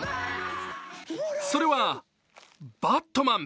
それは、バットマン。